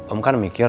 om kan mikir